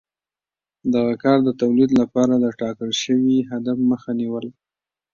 دغه کار د تولید لپاره د ټاکل شوي هدف مخه نیوله